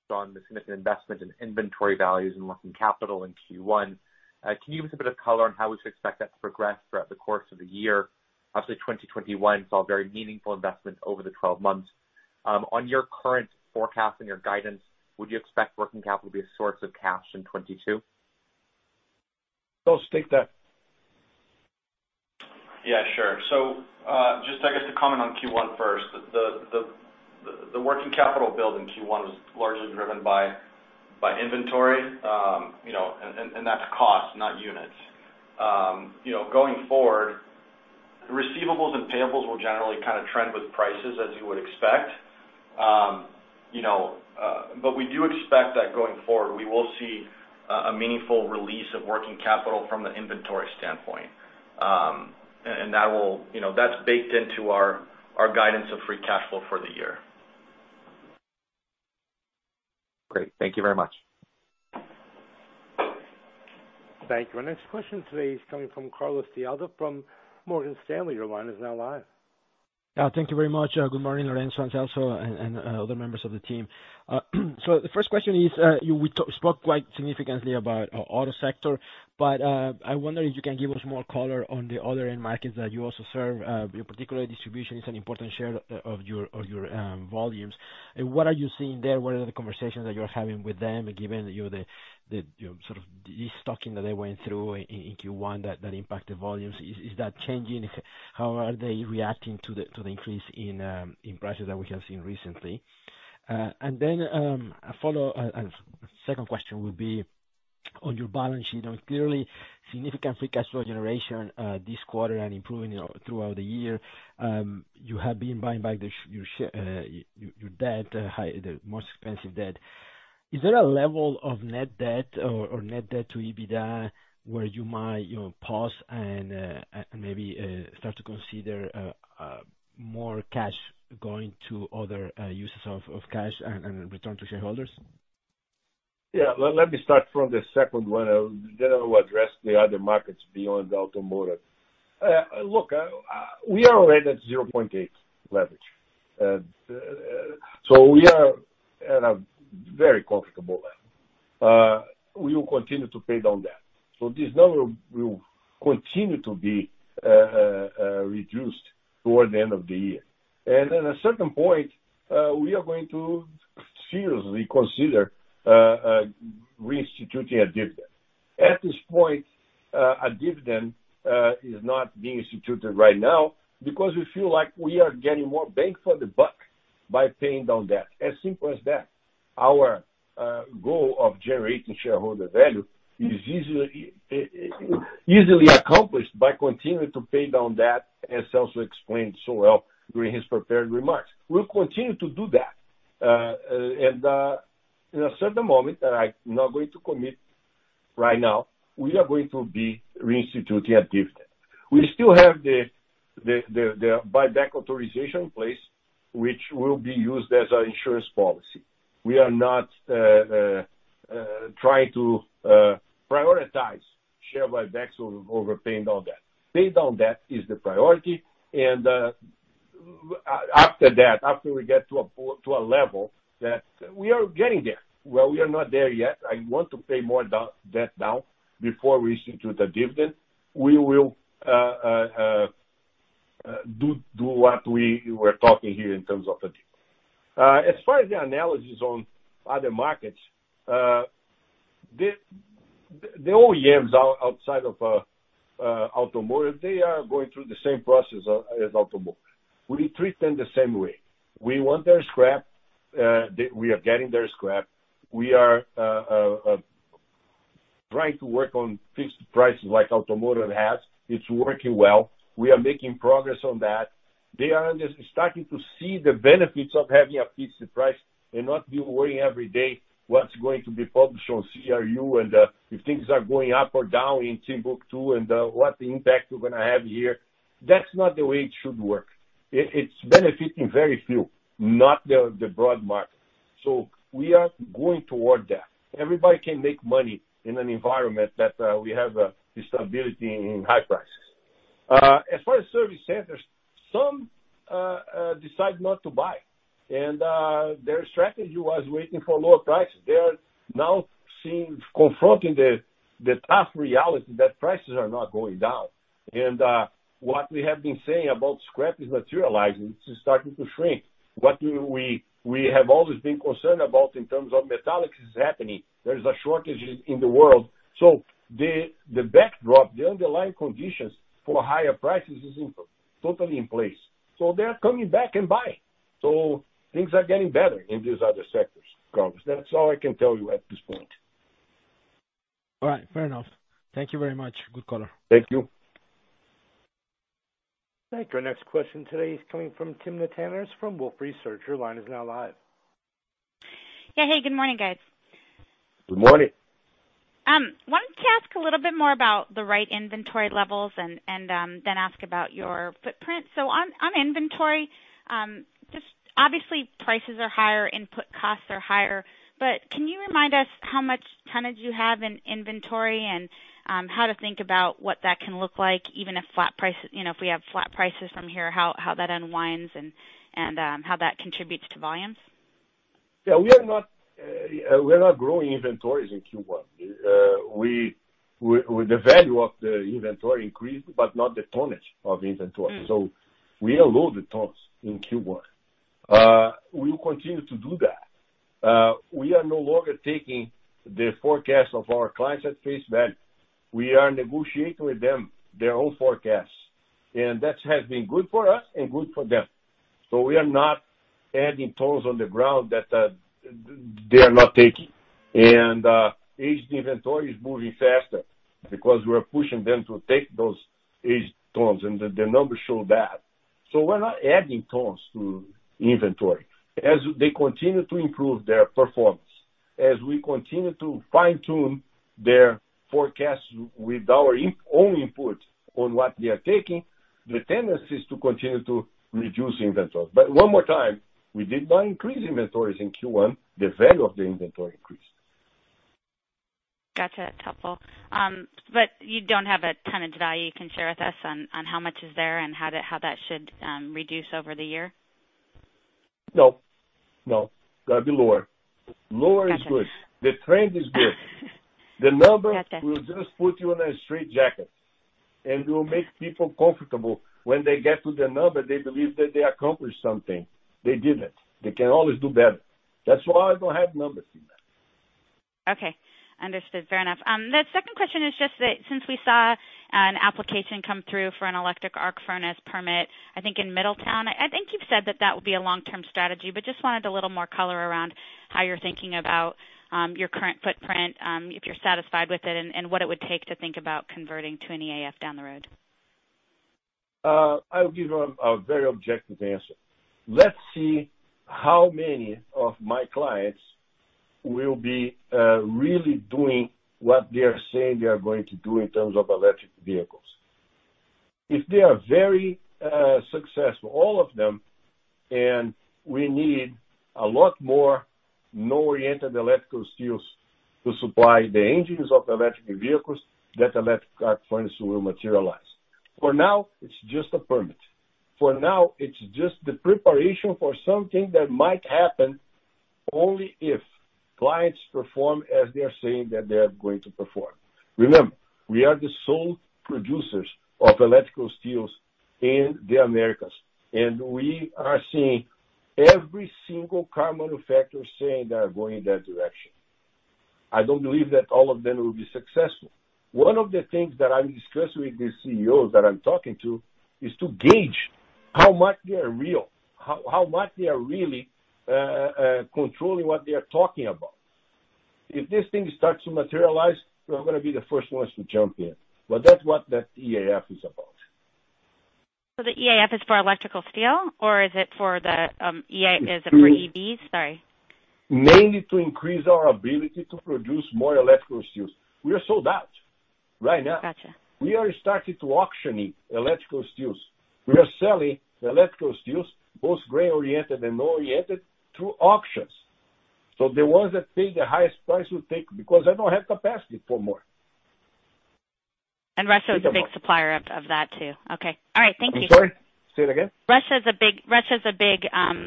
about the significant investment in inventory values and working capital in Q1? Can you give us a bit of color on how we should expect that to progress throughout the course of the year? Obviously, 2021 saw very meaningful investments over the 12 months. On your current forecast and your guidance, would you expect working capital to be a source of cash in 2022? Celso, take that. Yeah, sure. Just I guess to comment on Q1 first, the working capital build in Q1 was largely driven by inventory, you know, and that's cost, not units. You know, going forward, receivables and payables will generally kind of trend with prices as you would expect. You know, but we do expect that going forward, we will see a meaningful release of working capital from an inventory standpoint. And that will, you know, that's baked into our guidance of free cash flow for the year. Great. Thank you very much. Thank you. Our next question today is coming from Carlos de Alba from Morgan Stanley. Your line is now live. Thank you very much. Good morning, Lourenco and Celso and other members of the team. The first question is, we spoke quite significantly about auto sector, but I wonder if you can give us more color on the other end markets that you also serve. In particular, distribution is an important share of your volumes. What are you seeing there? What are the conversations that you're having with them, given you know the you know sort of destocking that they went through in Q1 that impacted volumes? Is that changing? How are they reacting to the increase in prices that we have seen recently? And then, a follow-up second question would be on your balance sheet. Now, clearly significant free cash flow generation, this quarter and improving, you know, throughout the year. You have been buying back your debt, the more expensive debt. Is there a level of net debt or net debt to EBITDA where you might, you know, pause and maybe start to consider more cash going to other uses of cash and return to shareholders? Yeah. Let me start from the second one, then I'll address the other markets beyond automotive. Look, we are already at 0.8 leverage. We are at a very comfortable level. We will continue to pay down debt. This number will continue to be reduced toward the end of the year. At a certain point, we are going to seriously consider reinstituting a dividend. At this point, a dividend is not being instituted right now because we feel like we are getting more bang for the buck by paying down debt, as simple as that. Our goal of generating shareholder value is easily accomplished by continuing to pay down debt, as Celso explained so well during his prepared remarks. We'll continue to do that. In a certain moment, and I'm not going to commit right now, we are going to be reinstituting a dividend. We still have the buyback authorization in place, which will be used as our insurance policy. We are not trying to prioritize share buybacks over paying down debt. Paying down debt is the priority, and after that, after we get to a level that... We are getting there. Well, we are not there yet. I want to pay more debt down before we institute the dividend. We will do what we were talking here in terms of the dividend. As far as the analysis on other markets, the OEMs outside of automotive, they are going through the same process as automotive. We treat them the same way. We want their scrap. We are getting their scrap. We are trying to work on fixed prices like automotive has. It's working well. We are making progress on that. They are just starting to see the benefits of having a fixed price and not be worrying every day what's going to be published on CRU and if things are going up or down in Timbuktu and what impact we're gonna have here. That's not the way it should work. It's benefiting very few, not the broad market. We are going toward that. Everybody can make money in an environment that we have a stability in high prices. As far as service centers, some decide not to buy, and their strategy was waiting for lower prices. They are now confronting the tough reality that prices are not going down. What we have been saying about scrap is materializing, it's starting to shrink. What we have always been concerned about in terms of metallics is happening. There is a shortage in the world. The backdrop, the underlying conditions for higher prices is intact, totally in place. They are coming back and buying. Things are getting better in these other sectors, Carlos. That's all I can tell you at this point. All right. Fair enough. Thank you very much. Good color. Thank you. Thank you. Our next question today is coming from Timna Tanners from Wolfe Research. Your line is now live. Yeah. Hey, good morning, guys. Good morning. I wanted to ask a little bit more about the right inventory levels and then ask about your footprint. On inventory, just obviously prices are higher, input costs are higher, but can you remind us how much tonnage you have in inventory and how to think about what that can look like even if flat prices, you know, if we have flat prices from here, how that unwinds and how that contributes to volumes? Yeah, we are not growing inventories in Q1. With the value of the inventory increased, but not the tonnage of inventory. We are low on the tons in Q1. We will continue to do that. We are no longer taking the forecast of our clients at face value. We are negotiating with them their own forecasts, and that has been good for us and good for them. We are not adding tons on the ground that they are not taking. Aged inventory is moving faster because we are pushing them to take those aged tons, and the numbers show that. We're not adding tons to inventory. As they continue to improve their performance, as we continue to fine-tune their forecasts with our own input on what they are taking, the tendency is to continue to reduce inventories. One more time, we did not increase inventories in Q1, the value of the inventory increased. Gotcha. Helpful. You don't have a tonnage value you can share with us on how much is there and how that should reduce over the year? No. Gotta be lower. Lower is good. Gotcha. The trend is good. The numbers. Gotcha. It will just put you in a straitjacket, and will make people comfortable. When they get to the number, they believe that they accomplished something. They didn't. They can always do better. That's why I don't have numbers in that. Okay. Understood. Fair enough. The second question is just that since we saw an application come through for an electric arc furnace permit, I think in Middletown, I think you've said that that would be a long-term strategy, but just wanted a little more color around how you're thinking about your current footprint, if you're satisfied with it and what it would take to think about converting to an EAF down the road. I'll give you a very objective answer. Let's see how many of my clients will be really doing what they are saying they are going to do in terms of electric vehicles. If they are very successful, all of them, and we need a lot more non-oriented electrical steels to supply the engines of electric vehicles, that electric arc furnace will materialize. For now, it's just a permit. For now, it's just the preparation for something that might happen only if clients perform as they are saying that they are going to perform. Remember, we are the sole producers of electrical steels in the Americas, and we are seeing every single car manufacturer saying they are going in that direction. I don't believe that all of them will be successful. One of the things that I discuss with the CEOs that I'm talking to is to gauge how much they are really controlling what they are talking about. If this thing starts to materialize, we are gonna be the first ones to jump in. That's what that EAF is about. The EAF is for electrical steel, or is it for EVs? Sorry. Mainly to increase our ability to produce more electrical steels. We are sold out right now. Gotcha. We are starting to auctioning electrical steels. We are selling electrical steels, both grain-oriented and non-oriented, through auctions. The ones that pay the highest price will take because I don't have capacity for more. Russia was a big supplier of that, too. Okay. All right. Thank you. I'm sorry. Say it again. Russia is a big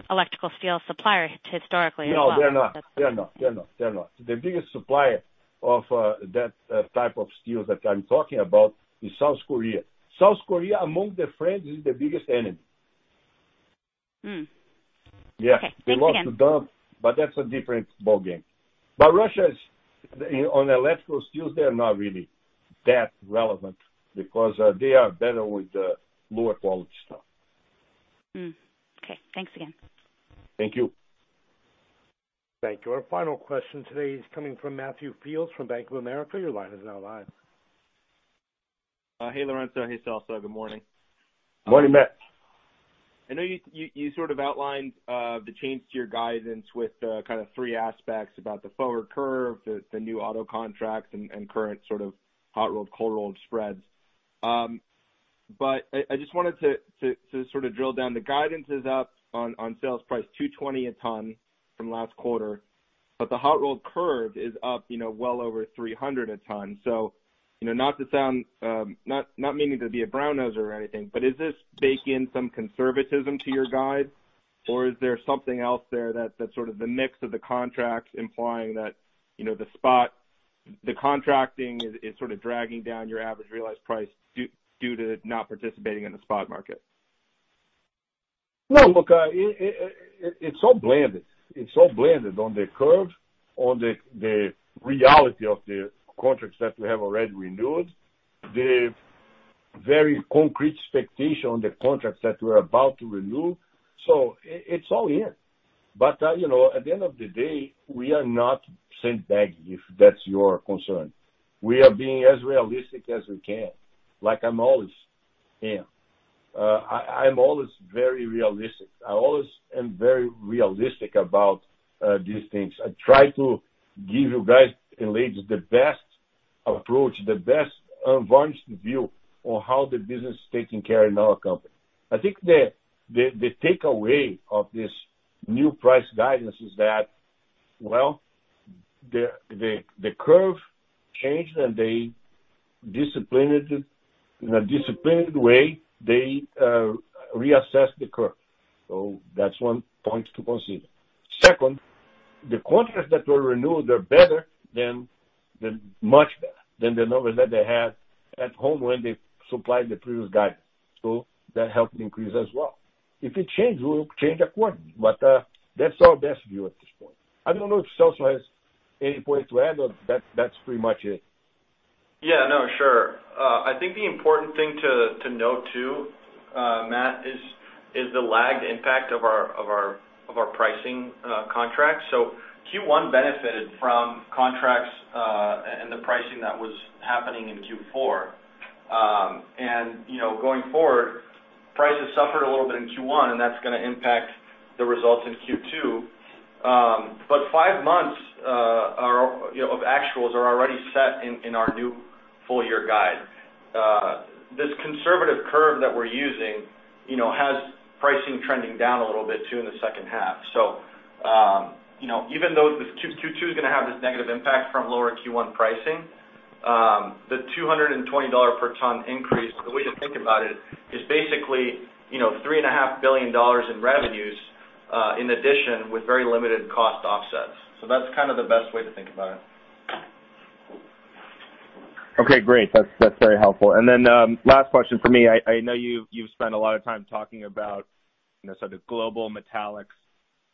electrical steel supplier historically as well. No, they're not. The biggest supplier of that type of steel that I'm talking about is South Korea. South Korea, among their friends, is their biggest enemy. Yeah. Okay. Thanks again. They love to dump, but that's a different ballgame. Russia is on electrical steels. They're not really that relevant because they are better with lower quality stuff. Mm-hmm. Okay, thanks again. Thank you. Thank you. Our final question today is coming from Matthew Fields from Bank of America. Your line is now live. Hey, Lourenco. Hey, Celso. Good morning. Morning, Matt. I know you sort of outlined the change to your guidance with kind of three aspects about the forward curve, the new auto contracts and current sort of hot rolled/cold rolled spreads. I just wanted to sort of drill down. The guidance is up on sales price $220 a ton from last quarter, but the hot rolled curve is up, you know, well over $300 a ton. You know, not to sound, not meaning to be a brown-noser or anything, but is this baked in some conservatism to your guide? Or is there something else there that sort of the mix of the contracts implying that, you know, the spot, the contracting is sort of dragging down your average realized price due to not participating in the spot market? No, look, it's all blended. It's all blended on the curve, on the reality of the contracts that we have already renewed, the very concrete expectation on the contracts that we're about to renew. It's all in. You know, at the end of the day, we are not sandbagging, if that's your concern. We are being as realistic as we can. Like I'm always am. I'm always very realistic. I always am very realistic about, these things. I try to give you guys and ladies the best approach, the best advanced view on how the business is taken care in our company. I think the takeaway of this new price guidance is that, well, the curve changed and they disciplined it. In a disciplined way, they reassessed the curve. That's one point to consider. Second, the contracts that were renewed are much better than the numbers that they had at home when they supplied the previous guidance. That helped increase as well. If it change, we'll change accordingly. That's our best view at this point. I don't know if Celso has any point to add, or that's pretty much it. Yeah. No, sure. I think the important thing to note too, Matt, is the lagged impact of our pricing contracts. Q1 benefited from contracts and the pricing that was happening in Q4. You know, going forward, prices suffered a little bit in Q1, and that's gonna impact the results in Q2. Five months, you know, of actuals are already set in our new full year guide. This conservative curve that we're using, you know, has pricing trending down a little bit too in the second half. You know, even though this Q2 is gonna have this negative impact from lower Q1 pricing, the $220 per ton increase, the way to think about it is basically, you know, $3.5 billion in revenues in addition with very limited cost offsets. That's kind of the best way to think about it. Okay, great. That's very helpful. Last question for me. I know you've spent a lot of time talking about, you know, sort of global metallics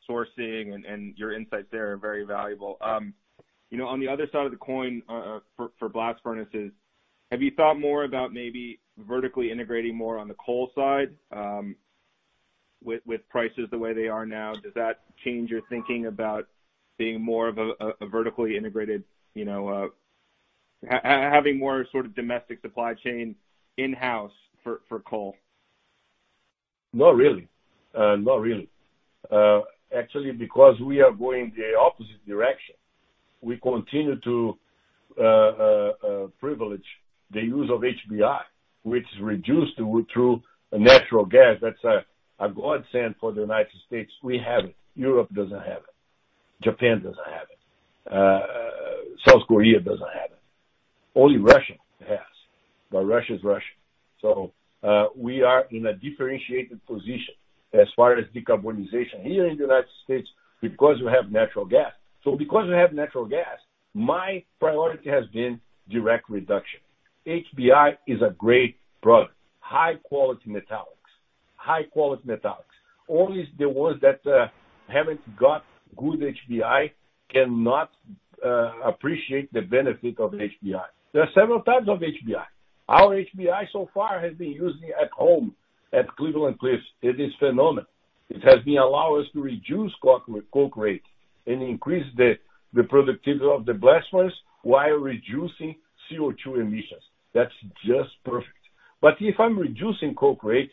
sourcing and your insights there are very valuable. You know, on the other side of the coin, for blast furnaces, have you thought more about maybe vertically integrating more on the coal side, with prices the way they are now? Does that change your thinking about being more of a vertically integrated, you know, having more sort of domestic supply chain in-house for coal? Not really. Actually because we are going the opposite direction. We continue to privilege the use of HBI, which is reduced through natural gas. That's a godsend for the United States. We have it. Europe doesn't have it. Japan doesn't have it. South Korea doesn't have it. Only Russia has, but Russia is Russia. We are in a differentiated position as far as decarbonization here in the United States because we have natural gas. Because we have natural gas, my priority has been direct reduction. HBI is a great product, high quality metallics. Only the ones that haven't got good HBI cannot appreciate the benefit of HBI. There are several types of HBI. Our HBI so far has been used at home at Cleveland-Cliffs. It is phenomenal. It has allowed us to reduce coke rate and increase the productivity of the blast furnace while reducing CO₂ emissions. That's just perfect. If I'm reducing coke rate,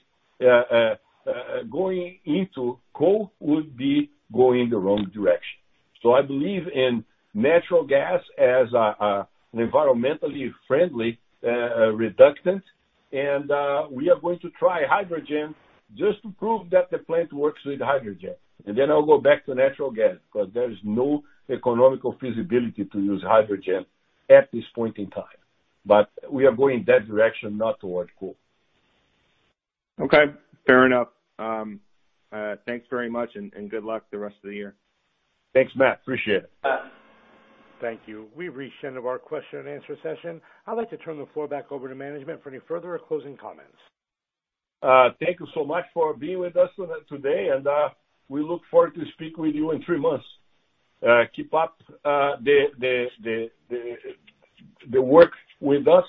going into coal would be going the wrong direction. I believe in natural gas as an environmentally friendly reductant. We are going to try hydrogen just to prove that the plant works with hydrogen. Then I'll go back to natural gas, because there is no economical feasibility to use hydrogen at this point in time. We are going that direction, not towards coal. Okay, fair enough. Thanks very much and good luck the rest of the year. Thanks, Matt. I appreciate it. Thank you. We've reached the end of our question and answer session. I'd like to turn the floor back over to management for any further closing comments. Thank you so much for being with us today, and we look forward to speak with you in three months. Keep up the work with us,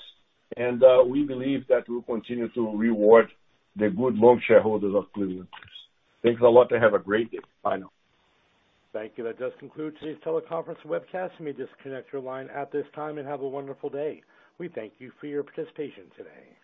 and we believe that we'll continue to reward the good, long shareholders of Cleveland-Cliffs. Thanks a lot and have a great day. Bye now. Thank you. That does conclude today's teleconference webcast. You may disconnect your line at this time and have a wonderful day. We thank you for your participation today.